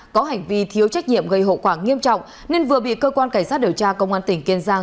có hành vi thiếu trách nhiệm gây hậu quả nghiêm trọng nên vừa bị cơ quan cảnh sát điều tra công an tỉnh kiên giang